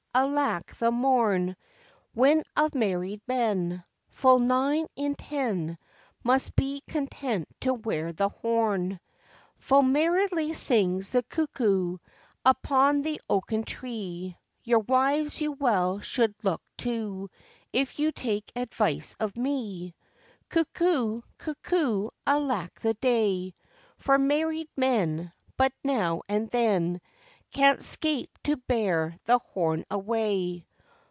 alack the morn, When of married men Full nine in ten Must be content to wear the horn. Full merrily sings the cuckoo Upon the oaken tree; Your wives you well should look to, If you take advice of me. Cuckoo! cuckoo! alack the day! For married men But now and then, Can 'scape to bear the horn away.